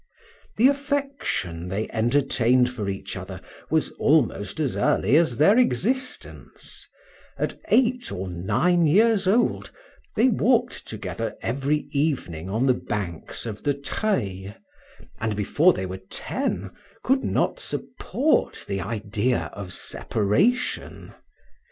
The affection they entertained for each other was almost as early as their existence; at eight or nine years old they walked together every evening on the banks of the Treille, and before they were ten, could not support the idea of separation.